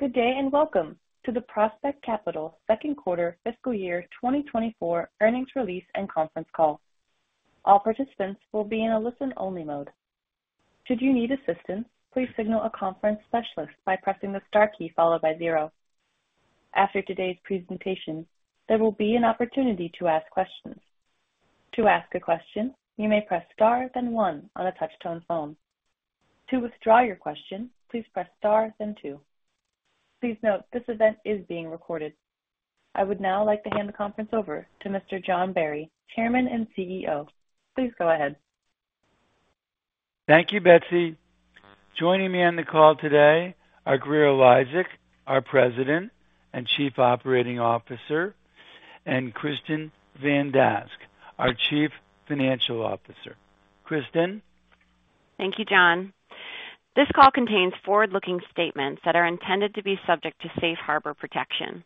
Good day and welcome to the Prospect Capital second quarter fiscal year 2024 earnings release and conference call. All participants will be in a listen-only mode. Should you need assistance, please signal a conference specialist by pressing the star key followed by 0. After today's presentation, there will be an opportunity to ask questions. To ask a question, you may press star then 1 on a touch-tone phone. To withdraw your question, please press star then 2. Please note, this event is being recorded. I would now like to hand the conference over to Mr. John Barry, Chairman and CEO. Please go ahead. Thank you, Betsy. Joining me on the call today are Grier Eliasek, our President and Chief Operating Officer, and Kristin Van Dask, our Chief Financial Officer. Kristin? Thank you, John. This call contains forward-looking statements that are intended to be subject to Safe Harbor protection.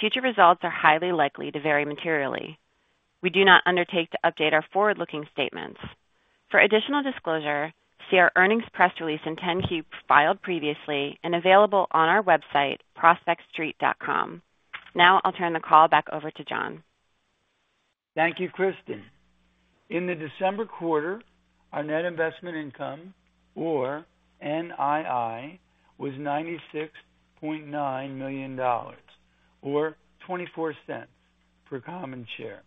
Future results are highly likely to vary materially. We do not undertake to update our forward-looking statements. For additional disclosure, see our earnings press release in 10-Q filed previously and available on our website, prospectstreet.com. Now I'll turn the call back over to John. Thank you, Kristin. In the December quarter, our net investment income, or NII, was $96.9 million, or $0.24, per common share.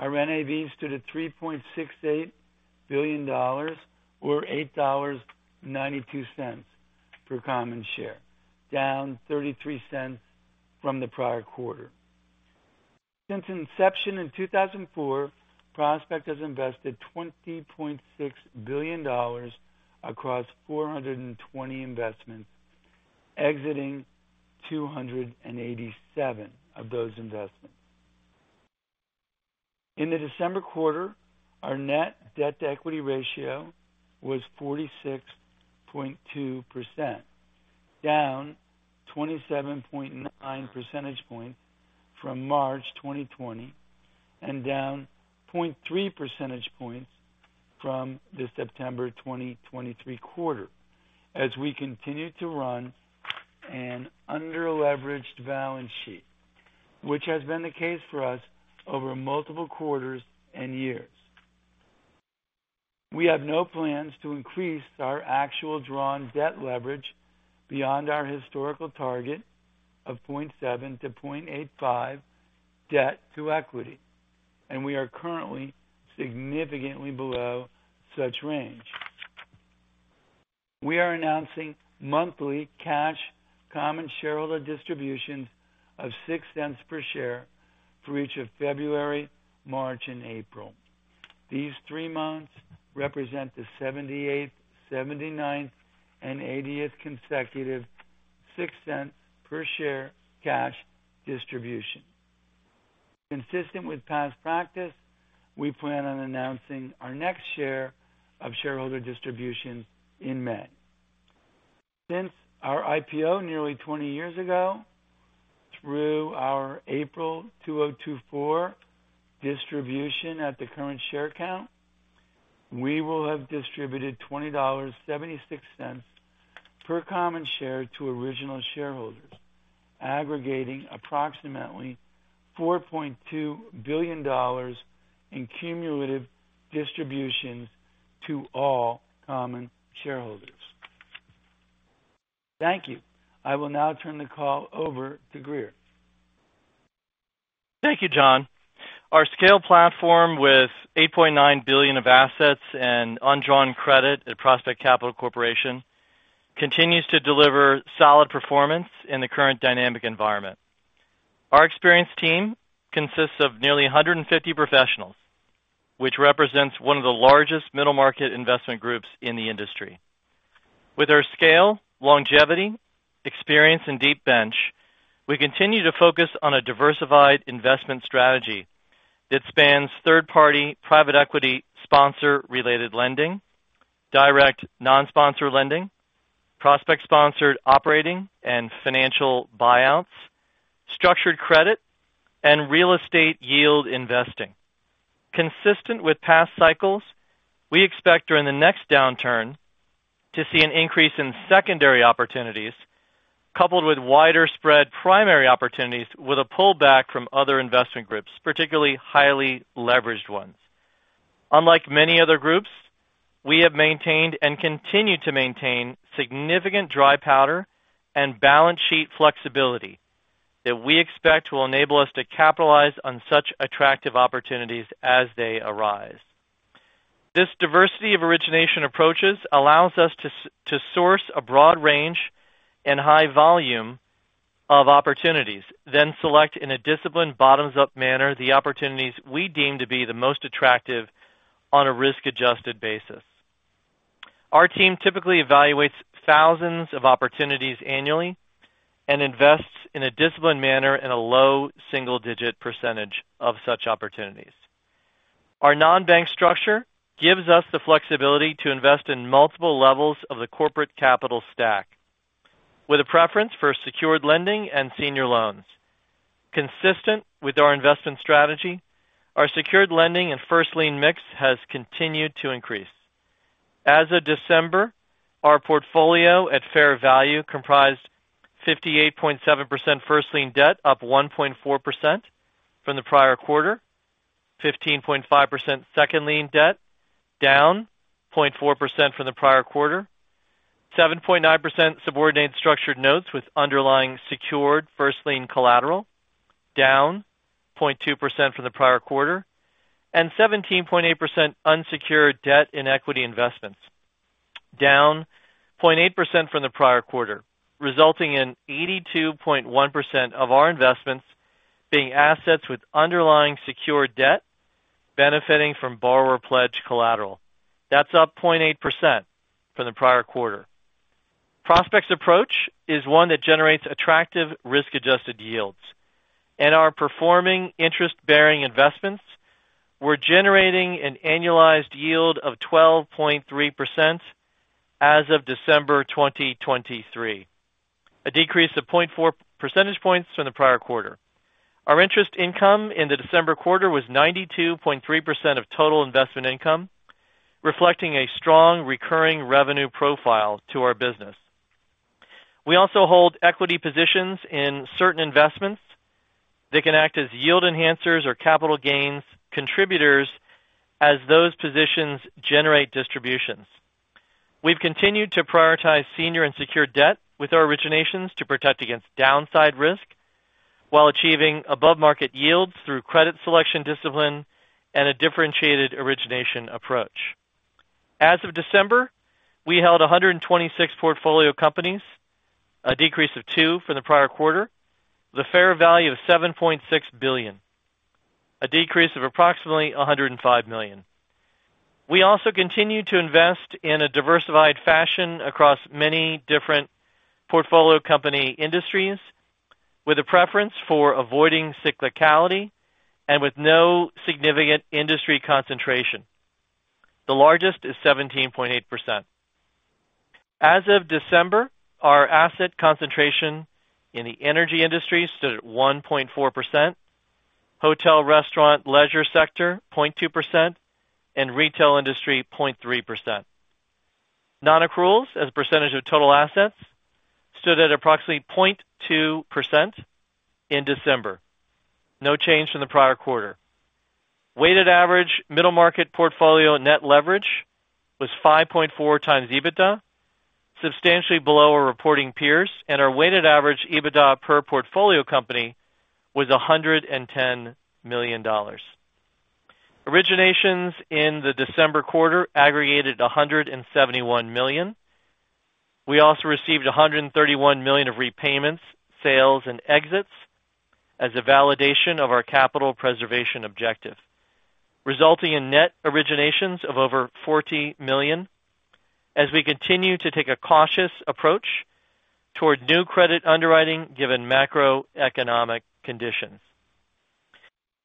Our NAV stood at $3.68 billion, or $8.92, per common share, down $0.33 from the prior quarter. Since inception in 2004, Prospect has invested $20.6 billion across 420 investments, exiting 287 of those investments. In the December quarter, our net debt-to-equity ratio was 46.2%, down 27.9 percentage points from March 2020 and down 0.3 percentage points from the September 2023 quarter as we continue to run an under-leveraged balance sheet, which has been the case for us over multiple quarters and years. We have no plans to increase our actual drawn debt leverage beyond our historical target of 0.7-0.85 debt-to-equity, and we are currently significantly below such range. We are announcing monthly cash common shareholder distributions of $0.06 per share for each of February, March, and April. These three months represent the 78th, 79th, and 80th consecutive $0.06 per share cash distribution. Consistent with past practice, we plan on announcing our next share of shareholder distributions in May. Since our IPO nearly 20 years ago through our April 2024 distribution at the current share count, we will have distributed $20.76 per common share to original shareholders, aggregating approximately $4.2 billion in cumulative distributions to all common shareholders. Thank you. I will now turn the call over to Grier. Thank you, John. Our scale platform with $8.9 billion of assets and undrawn credit at Prospect Capital Corporation continues to deliver solid performance in the current dynamic environment. Our experienced team consists of nearly 150 professionals, which represents one of the largest middle-market investment groups in the industry. With our scale, longevity, experience, and deep bench, we continue to focus on a diversified investment strategy that spans third-party private equity sponsor-related lending, direct non-sponsored lending, Prospect-sponsored operating and financial buyouts, structured credit, and real estate yield investing. Consistent with past cycles, we expect during the next downturn to see an increase in secondary opportunities coupled with wider-spread primary opportunities with a pullback from other investment groups, particularly highly leveraged ones. Unlike many other groups, we have maintained and continue to maintain significant dry powder and balance sheet flexibility that we expect will enable us to capitalize on such attractive opportunities as they arise. This diversity of origination approaches allows us to source a broad range and high volume of opportunities, then select in a disciplined, bottoms-up manner the opportunities we deem to be the most attractive on a risk-adjusted basis. Our team typically evaluates thousands of opportunities annually and invests in a disciplined manner in a low single-digit percentage of such opportunities. Our non-bank structure gives us the flexibility to invest in multiple levels of the corporate capital stack, with a preference for secured lending and senior loans. Consistent with our investment strategy, our secured lending and first-lien mix has continued to increase. As of December, our portfolio at fair value comprised 58.7% first lien debt, up 1.4% from the prior quarter, 15.5% second lien debt, down 0.4% from the prior quarter, 7.9% subordinated structured notes with underlying secured first lien collateral, down 0.2% from the prior quarter, and 17.8% unsecured debt and equity investments, down 0.8% from the prior quarter, resulting in 82.1% of our investments being assets with underlying secured debt benefiting from borrower pledge collateral. That's up 0.8% from the prior quarter. Prospect's approach is one that generates attractive risk-adjusted yields, and our performing interest-bearing investments were generating an annualized yield of 12.3% as of December 2023, a decrease of 0.4 percentage points from the prior quarter. Our interest income in the December quarter was 92.3% of total investment income, reflecting a strong recurring revenue profile to our business. We also hold equity positions in certain investments that can act as yield enhancers or capital gains contributors as those positions generate distributions. We've continued to prioritize senior and secured debt with our originations to protect against downside risk while achieving above-market yields through credit selection discipline and a differentiated origination approach. As of December, we held 126 portfolio companies, a decrease of two from the prior quarter, with a fair value of $7.6 billion, a decrease of approximately $105 million. We also continue to invest in a diversified fashion across many different portfolio company industries, with a preference for avoiding cyclicality and with no significant industry concentration. The largest is 17.8%. As of December, our asset concentration in the energy industry stood at 1.4%, hotel/restaurant/leisure sector 0.2%, and retail industry 0.3%. Non-accruals, as a percentage of total assets, stood at approximately 0.2% in December, no change from the prior quarter. Weighted average middle-market portfolio net leverage was 5.4x EBITDA, substantially below our reporting peers, and our weighted average EBITDA per portfolio company was $110 million. Originations in the December quarter aggregated $171 million. We also received $131 million of repayments, sales, and exits as a validation of our capital preservation objective, resulting in net originations of over $40 million as we continue to take a cautious approach toward new credit underwriting given macroeconomic conditions.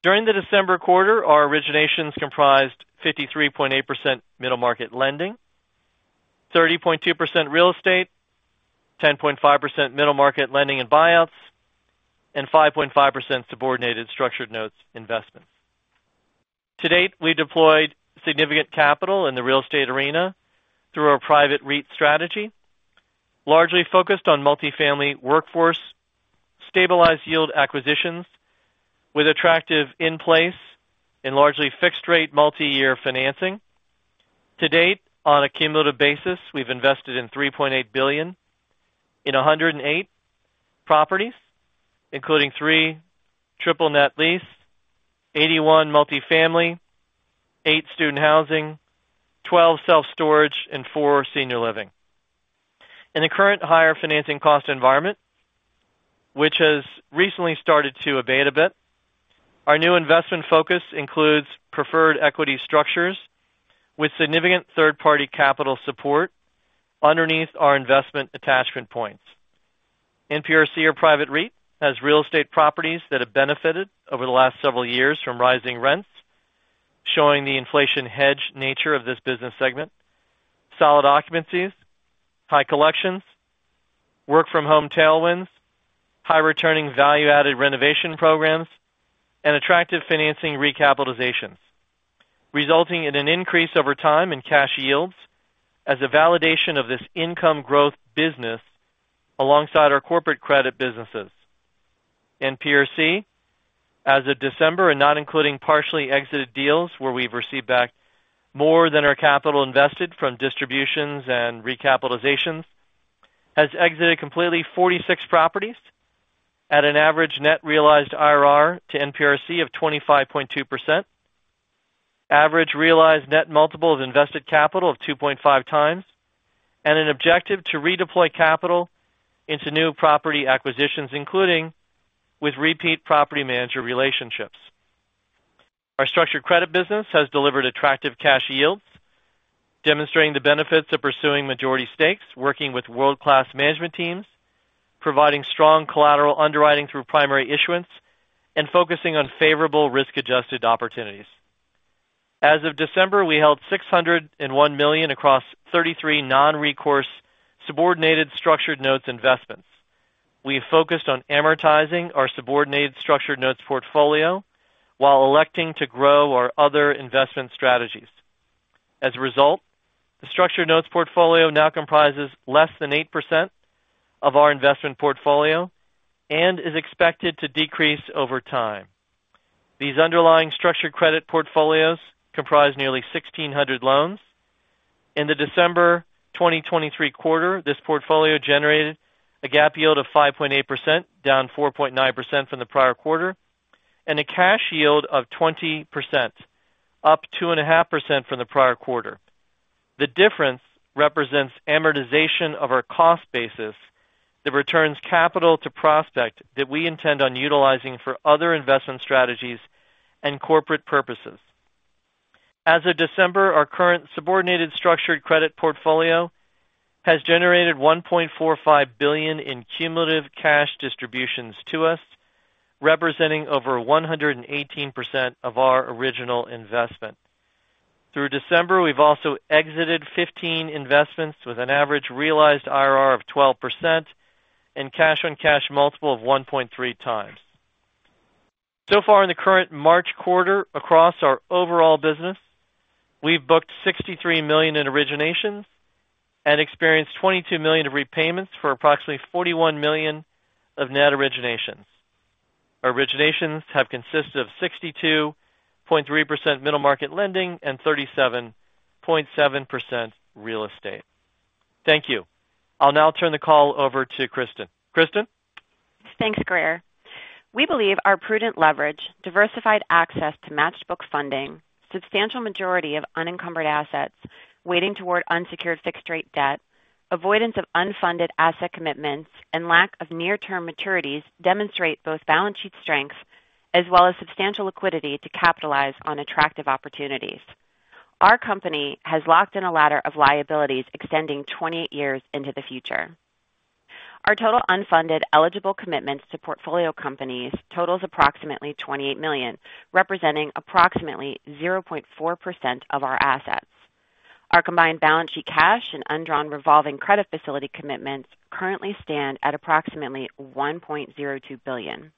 During the December quarter, our originations comprised 53.8% middle-market lending, 30.2% real estate, 10.5% middle-market lending and buyouts, and 5.5% subordinated structured notes investments. To date, we've deployed significant capital in the real estate arena through our private REIT strategy, largely focused on multifamily workforce stabilized yield acquisitions with attractive in-place and largely fixed-rate multi-year financing. To date, on a cumulative basis, we've invested in $3.8 billion in 108 properties, including 3 triple net lease, 81 multifamily, 8 student housing, 12 self-storage, and 4 senior living. In the current higher financing cost environment, which has recently started to abate a bit, our new investment focus includes preferred equity structures with significant third-party capital support underneath our investment attachment points. NPRC or private REIT has real estate properties that have benefited over the last several years from rising rents, showing the inflation-hedged nature of this business segment, solid occupancies, high collections, work-from-home tailwinds, high-returning value-added renovation programs, and attractive financing recapitalizations, resulting in an increase over time in cash yields as a validation of this income growth business alongside our corporate credit businesses. NPRC, as of December and not including partially exited deals where we've received back more than our capital invested from distributions and recapitalizations, has exited completely 46 properties at an average net realized IRR to NPRC of 25.2%, average realized net multiple of invested capital of 2.5x, and an objective to redeploy capital into new property acquisitions, including with repeat property manager relationships. Our structured credit business has delivered attractive cash yields, demonstrating the benefits of pursuing majority stakes, working with world-class management teams, providing strong collateral underwriting through primary issuance, and focusing on favorable risk-adjusted opportunities. As of December, we held $601 million across 33 non-recourse subordinated structured notes investments. We've focused on amortizing our subordinated structured notes portfolio while electing to grow our other investment strategies. As a result, the structured notes portfolio now comprises less than 8% of our investment portfolio and is expected to decrease over time. These underlying structured credit portfolios comprise nearly 1,600 loans. In the December 2023 quarter, this portfolio generated a GAAP yield of 5.8%, down 4.9% from the prior quarter, and a cash yield of 20%, up 2.5% from the prior quarter. The difference represents amortization of our cost basis that returns capital to Prospect that we intend on utilizing for other investment strategies and corporate purposes. As of December, our current subordinated structured credit portfolio has generated $1.45 billion in cumulative cash distributions to us, representing over 118% of our original investment. Through December, we've also exited 15 investments with an average realized IRR of 12% and cash-on-cash multiple of 1.3x. So far in the current March quarter across our overall business, we've booked $63 million in originations and experienced $22 million of repayments for approximately $41 million of net originations. Our originations have consisted of 62.3% middle-market lending and 37.7% real estate. Thank you. I'll now turn the call over to Kristin. Kristin? Thanks, Grier. We believe our prudent leverage, diversified access to matched-book funding, substantial majority of unencumbered assets weighting toward unsecured fixed-rate debt, avoidance of unfunded asset commitments, and lack of near-term maturities demonstrate both balance sheet strength as well as substantial liquidity to capitalize on attractive opportunities. Our company has locked in a ladder of liabilities extending 28 years into the future. Our total unfunded eligible commitments to portfolio companies totals approximately $28 million, representing approximately 0.4% of our assets. Our combined balance sheet cash and undrawn revolving credit facility commitments currently stand at approximately $1.02 billion.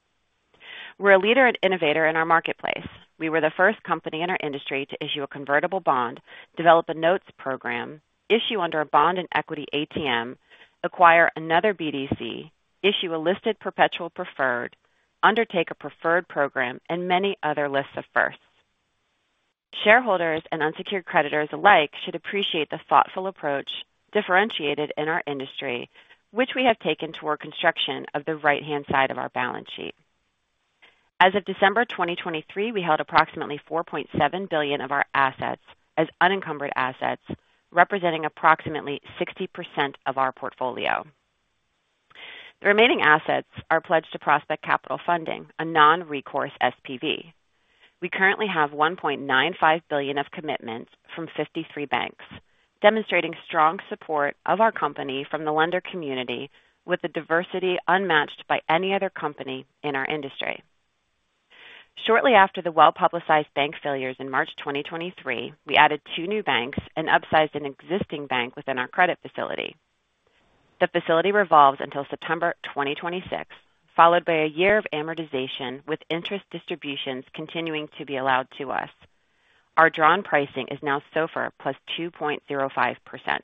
We're a leader and innovator in our marketplace. We were the first company in our industry to issue a convertible bond, develop a notes program, issue under a bond and equity ATM, acquire another BDC, issue a listed perpetual preferred, undertake a preferred program, and many other lists of firsts. Shareholders and unsecured creditors alike should appreciate the thoughtful approach differentiated in our industry, which we have taken toward construction of the right-hand side of our balance sheet. As of December 2023, we held approximately $4.7 billion of our assets as unencumbered assets, representing approximately 60% of our portfolio. The remaining assets are pledged to Prospect Capital Funding, a non-recourse SPV. We currently have $1.95 billion of commitments from 53 banks, demonstrating strong support of our company from the lender community with a diversity unmatched by any other company in our industry. Shortly after the well-publicized bank failures in March 2023, we added two new banks and upsized an existing bank within our credit facility. The facility revolves until September 2026, followed by a year of amortization with interest distributions continuing to be allowed to us. Our drawn pricing is now SOFR plus 2.05%.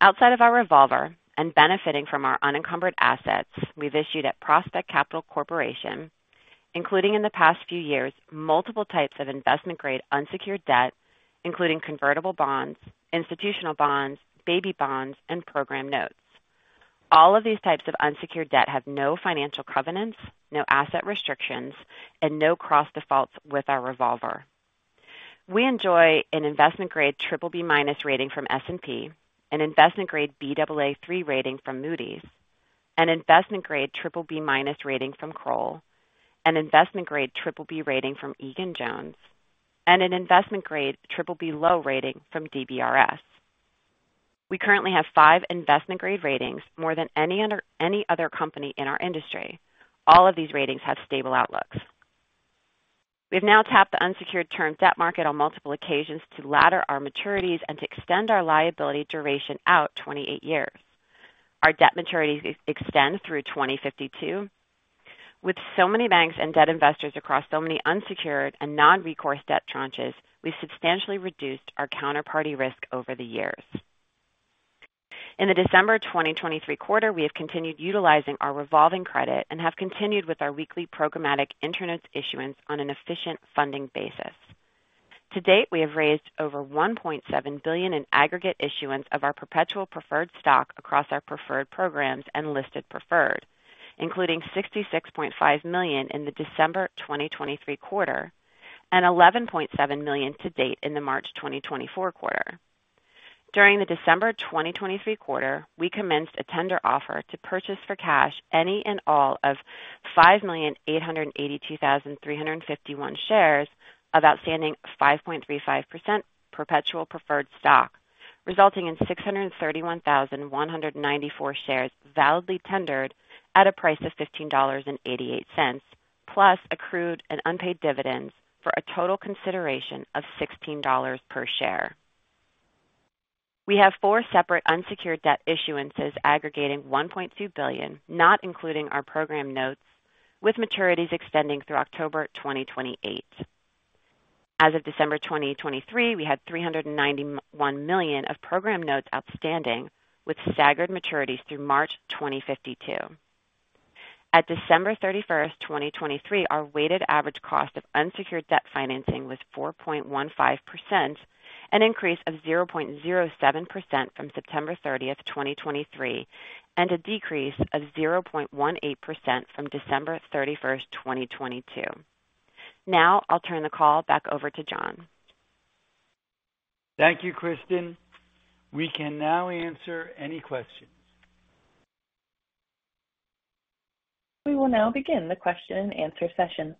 Outside of our revolver and benefiting from our unencumbered assets, we've issued at Prospect Capital Corporation, including in the past few years, multiple types of investment-grade unsecured debt, including convertible bonds, institutional bonds, baby bonds, and program notes. All of these types of unsecured debt have no financial covenants, no asset restrictions, and no cross-defaults with our revolver. We enjoy an investment-grade BBB-rating from S&P, an investment-grade Baa3 rating from Moody's, an investment-grade BBB-rating from Kroll, an investment-grade BBB-rating from Egan-Jones, and an investment-grade BBB-low rating from DBRS. We currently have 5 investment-grade ratings more than any other company in our industry. All of these ratings have stable outlooks. We've now tapped the unsecured term debt market on multiple occasions to ladder our maturities and to extend our liability duration out 28 years. Our debt maturities extend through 2052. With so many banks and debt investors across so many unsecured and non-recourse debt tranches, we've substantially reduced our counterparty risk over the years. In the December 2023 quarter, we have continued utilizing our revolving credit and have continued with our weekly programmatic equity issuance on an efficient funding basis. To date, we have raised over $1.7 billion in aggregate issuance of our perpetual preferred stock across our preferred programs and listed preferred, including $66.5 million in the December 2023 quarter and $11.7 million to date in the March 2024 quarter. During the December 2023 quarter, we commenced a tender offer to purchase for cash any and all of 5,882,351 shares of outstanding 5.35% perpetual preferred stock, resulting in 631,194 shares validly tendered at a price of $15.88, plus accrued and unpaid dividends for a total consideration of $16 per share. We have four separate unsecured debt issuances aggregating $1.2 billion, not including our program notes, with maturities extending through October 2028. As of December 2023, we had $391 million of program notes outstanding with staggered maturities through March 2052. At December 31, 2023, our weighted average cost of unsecured debt financing was 4.15%, an increase of 0.07% from September 30, 2023, and a decrease of 0.18% from December 31, 2022. Now I'll turn the call back over to John. Thank you, Kristin. We can now answer any questions. We will now begin the question and answer session.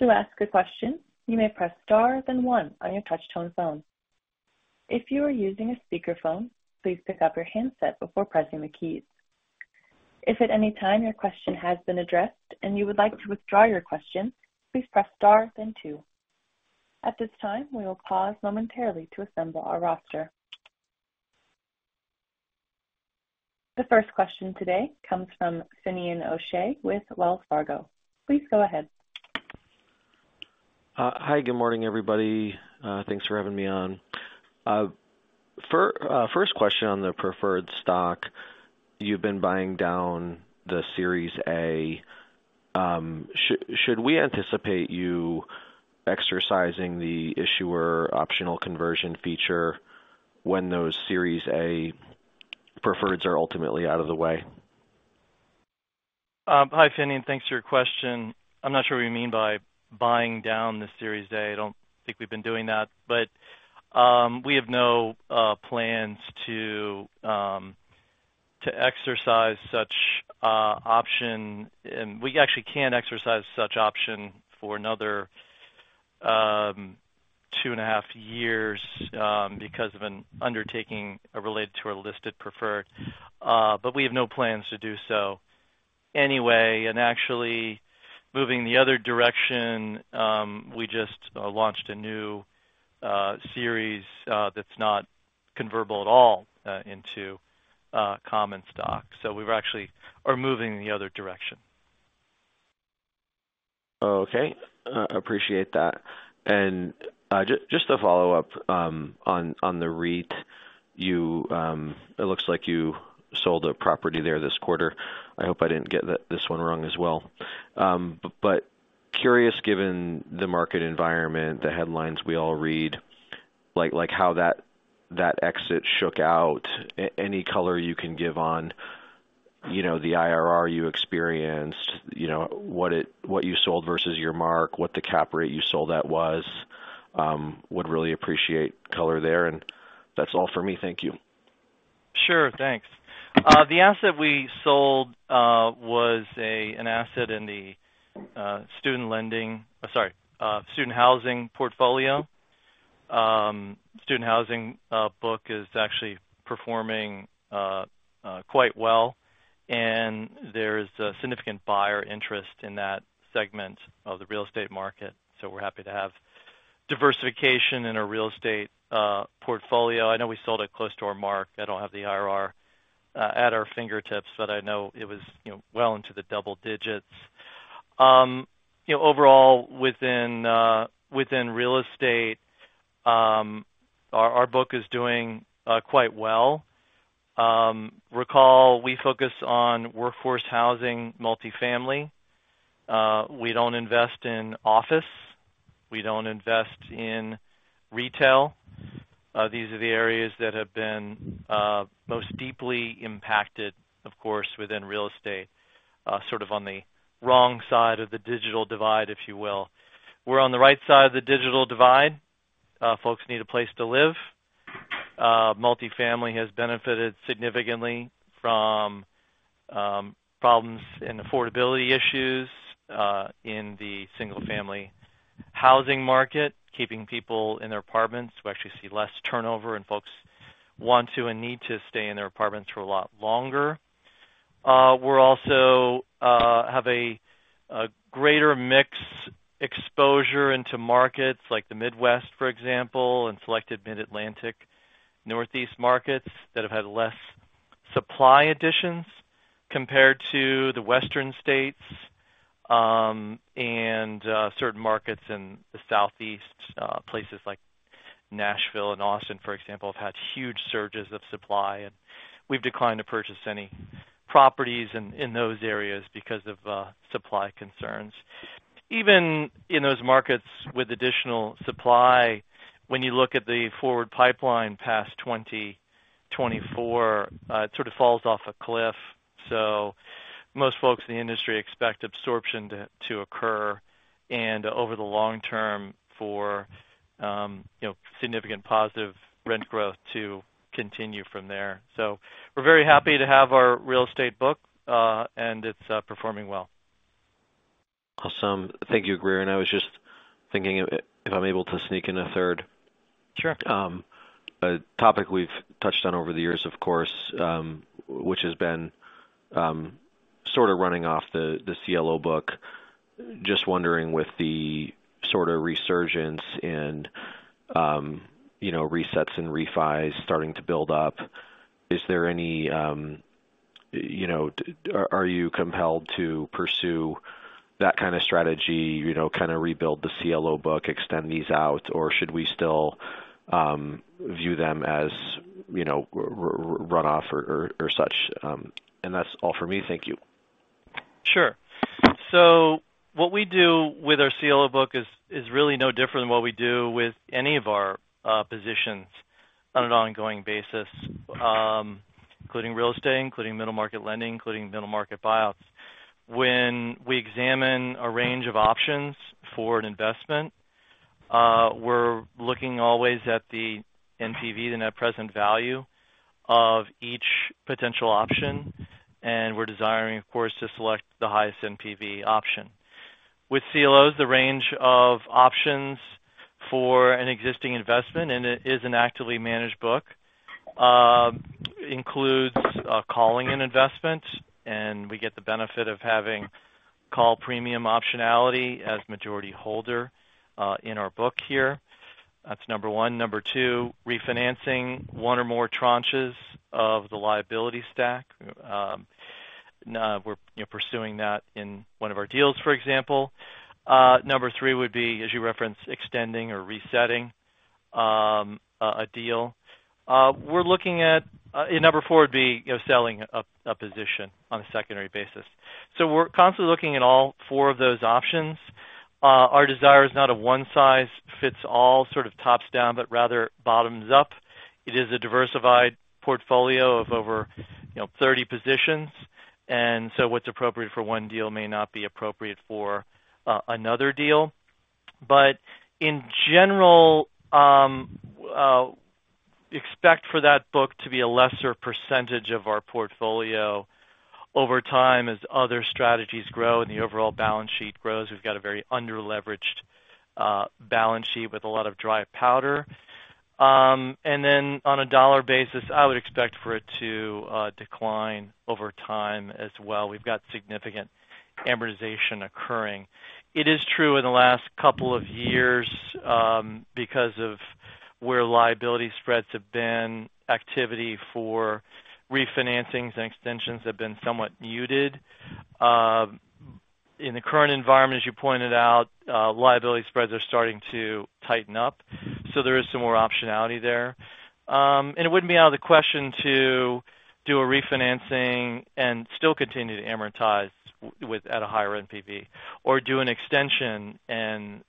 To ask a question, you may press * then 1 on your touch-tone phone. If you are using a speakerphone, please pick up your handset before pressing the keys. If at any time your question has been addressed and you would like to withdraw your question, please press * then 2. At this time, we will pause momentarily to assemble our roster. The first question today comes from Finian O'Shea with Wells Fargo. Please go ahead. Hi. Good morning, everybody. Thanks for having me on. First question on the preferred stock, you've been buying down the Series A. Should we anticipate you exercising the issuer optional conversion feature when those Series A preferreds are ultimately out of the way? Hi, Finian. Thanks for your question. I'm not sure what you mean by buying down the Series A. I don't think we've been doing that. But we have no plans to exercise such option. We actually can't exercise such option for another 2.5 years because of an undertaking related to our listed preferred. But we have no plans to do so anyway. And actually, moving the other direction, we just launched a new series that's not convertible at all into common stock. So we actually are moving the other direction. Okay. Appreciate that. And just to follow up on the REIT, it looks like you sold a property there this quarter. I hope I didn't get this one wrong as well. But curious, given the market environment, the headlines we all read, how that exit shook out, any color you can give on the IRR you experienced, what you sold versus your mark, what the cap rate you sold at was, would really appreciate color there? And that's all for me. Thank you. Sure. Thanks. The asset we sold was an asset in the student lending, sorry, student housing portfolio. Student housing book is actually performing quite well. And there is significant buyer interest in that segment of the real estate market. So we're happy to have diversification in our real estate portfolio. I know we sold it close to our mark. I don't have the IRR at our fingertips, but I know it was well into the double digits. Overall, within real estate, our book is doing quite well. Recall, we focus on workforce housing, multifamily. We don't invest in office. We don't invest in retail. These are the areas that have been most deeply impacted, of course, within real estate, sort of on the wrong side of the digital divide, if you will. We're on the right side of the digital divide. Folks need a place to live. Multifamily has benefited significantly from problems and affordability issues in the single-family housing market, keeping people in their apartments. We actually see less turnover, and folks want to and need to stay in their apartments for a lot longer. We also have a greater mixed exposure into markets like the Midwest, for example, and selected Mid-Atlantic, Northeast markets that have had less supply additions compared to the Western states. Certain markets in the Southeast, places like Nashville and Austin, for example, have had huge surges of supply. We've declined to purchase any properties in those areas because of supply concerns. Even in those markets with additional supply, when you look at the forward pipeline past 2024, it sort of falls off a cliff. Most folks in the industry expect absorption to occur and, over the long term, for significant positive rent growth to continue from there. We're very happy to have our real estate book, and it's performing well. Awesome. Thank you, Grier. And I was just thinking if I'm able to sneak in a third topic we've touched on over the years, of course, which has been sort of running off the CLO book. Just wondering, with the sort of resurgence and resets and refis starting to build up, is there any? Are you compelled to pursue that kind of strategy, kind of rebuild the CLO book, extend these out, or should we still view them as runoff or such? And that's all for me. Thank you. Sure. So what we do with our CLO book is really no different than what we do with any of our positions on an ongoing basis, including real estate, including middle-market lending, including middle-market buyouts. When we examine a range of options for an investment, we're looking always at the NPV, the net present value of each potential option. And we're desiring, of course, to select the highest NPV option. With CLOs, the range of options for an existing investment, and it is an actively managed book, includes calling an investment. And we get the benefit of having call premium optionality as majority holder in our book here. That's number one. Number two, refinancing one or more tranches of the liability stack. We're pursuing that in one of our deals, for example. Number three would be, as you referenced, extending or resetting a deal. Number 4 would be selling a position on a secondary basis. We're constantly looking at all 4 of those options. Our desire is not a one-size-fits-all sort of tops down, but rather bottoms up. It is a diversified portfolio of over 30 positions. What's appropriate for one deal may not be appropriate for another deal. In general, expect for that book to be a lesser percentage of our portfolio over time as other strategies grow and the overall balance sheet grows. We've got a very under-leveraged balance sheet with a lot of dry powder. On a dollar basis, I would expect for it to decline over time as well. We've got significant amortization occurring. It is true in the last couple of years because of where liability spreads have been, activity for refinancings and extensions have been somewhat muted. In the current environment, as you pointed out, liability spreads are starting to tighten up. So there is some more optionality there. And it wouldn't be out of the question to do a refinancing and still continue to amortize at a higher NPV or do an extension and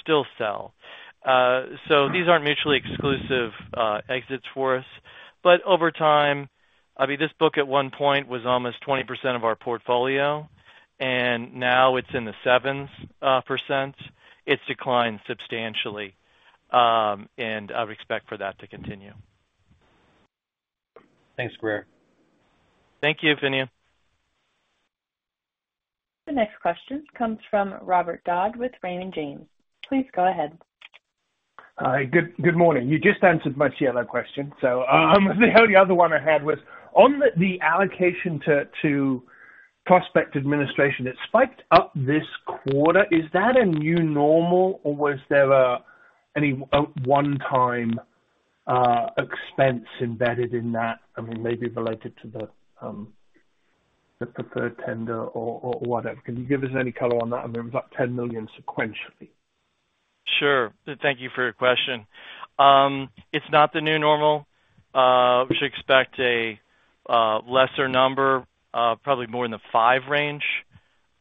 still sell. So these aren't mutually exclusive exits for us. But over time, I mean, this book at one point was almost 20% of our portfolio. And now it's in the 7%. It's declined substantially. And I would expect for that to continue. Thanks, Greer. Thank you, Finian. The next question comes from Robert Dodd with Raymond James. Please go ahead. Good morning. You just answered my CLO question. So the only other one I had was, on the allocation to Prospect Administration, it spiked up this quarter. Is that a new normal, or was there any one-time expense embedded in that? I mean, maybe related to the preferred tender or whatever. Can you give us any color on that? I mean, it was like $10 million sequentially. Sure. Thank you for your question. It's not the new normal. We should expect a lesser number, probably more in the 5 range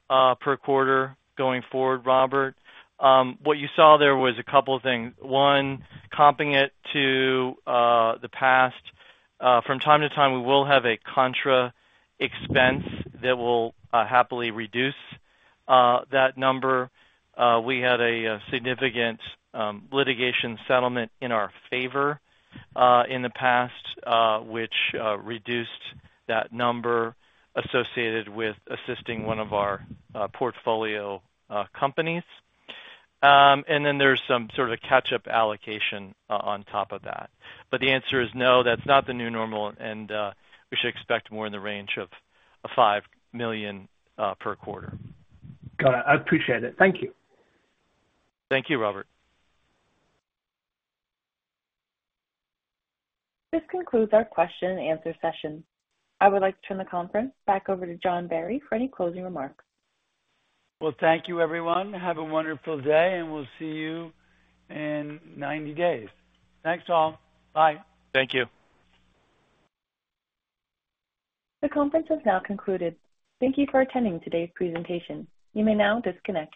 per quarter going forward, Robert. What you saw there was a couple of things. One, comping it to the past, from time to time, we will have a contra expense that will happily reduce that number. We had a significant litigation settlement in our favor in the past, which reduced that number associated with assisting one of our portfolio companies. And then there's some sort of a catch-up allocation on top of that. But the answer is no. That's not the new normal. And we should expect more in the range of $5 million per quarter. Got it. I appreciate it. Thank you. Thank you, Robert. This concludes our question and answer session. I would like to turn the conference back over to John Barry for any closing remarks. Well, thank you, everyone. Have a wonderful day. We'll see you in 90 days. Thanks, all. Bye. Thank you. The conference has now concluded. Thank you for attending today's presentation. You may now disconnect.